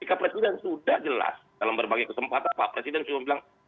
jika presiden sudah jelas dalam berbagai kesempatan pak presiden sudah bilang